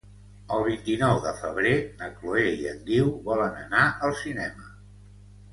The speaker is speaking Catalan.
El vint-i-nou de febrer na Chloé i en Guiu volen anar al cinema.